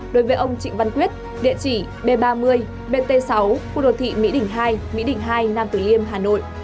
đối với ông trịnh văn quyết địa chỉ b ba mươi bt sáu khu đồ thị mỹ đỉnh hai mỹ đỉnh hai nam tử liêm hà nội